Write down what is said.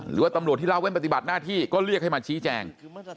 หรือว่าตำรวจที่เล่าเว้นปฏิบัติหน้าที่ก็เรียกให้มาชี้แจง